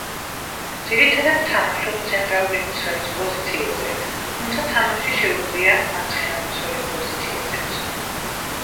ძირითადად თამაშობს ცენტრალური მცველის პოზიციაზე, თუმცა თამაში შეუძლია მარცხენა მცველის პოზიციაზეც.